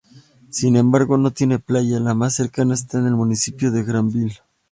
Sin embargo no tiene playa, la más cercana está en el municipio de Granville.